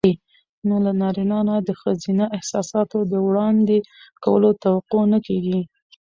نو له نارينه نه د ښځينه احساساتو د وړاندې کولو توقع نه کېږي.